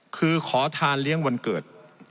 คือขอทานเลี้ยงวันเกิด